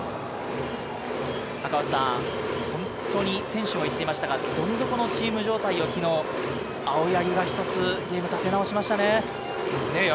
本当に選手も言っていましたが、どん底のチーム状態を青柳がひとつチームを立て直しましたね。